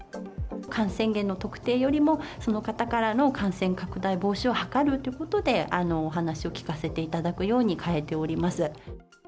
感染源の特定よりも、その方からの感染拡大防止を図るということで、お話を聞かせていただくように変えております。